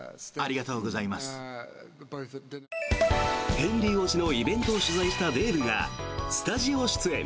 ヘンリー王子のイベントを取材したデーブがスタジオ出演。